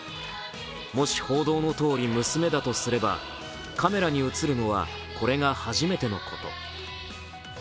もし報道のとおり娘だとすれば、カメラに映るのはこれが初めてのこと。